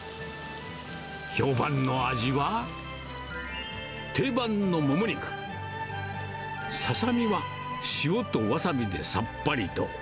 評判の味は、定番のもも肉、ささみは塩とワサビでさっぱりと。